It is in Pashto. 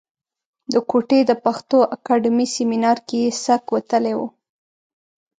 د کوټې د پښتو اکاډمۍ سیمنار کې یې سک وتلی و.